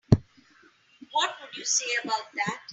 What would you say about that?